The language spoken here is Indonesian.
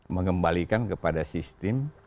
mengembalikan kepada sistem